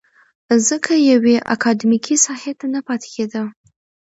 ځکه يوې اکادميکې ساحې ته نه پاتې کېده.